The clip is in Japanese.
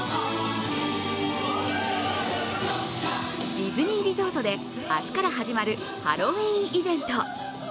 ディズニーリゾートで明日から始まるハロウィーンイベント。